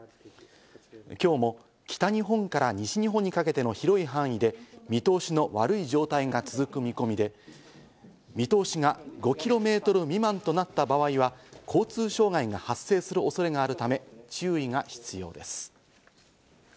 今日も北日本から西日本にかけての広い範囲で、見通しの悪い状態が続く見込みで、見通しが５キロメートル未満となった場合は交通障害が発生する恐れがあるため注意が必要です。